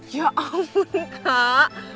ya ampun kak